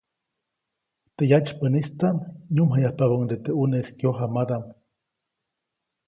Teʼ yatsypäʼnistaʼm nyuʼmjayapabäʼuŋde teʼ ʼuneʼis kyojamadaʼm.